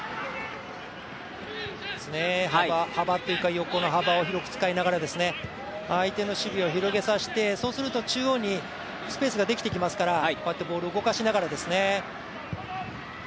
横の幅をうまく使いながら相手の守備を広げさせて、そうすると中央にスペースができてきますからこうやってボールを動かしながらですね。